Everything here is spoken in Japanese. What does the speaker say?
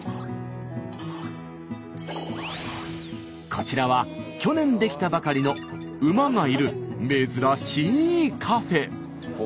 こちらは去年出来たばかりの馬がいる珍しいカフェ。